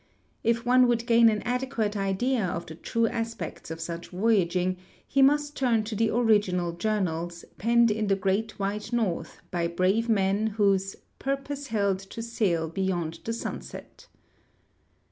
If one would gain an adequate idea of the true aspects of such voyaging, he must turn to the original journals, penned in the great White North by brave men whose " purpose held to sail beyond the sunset.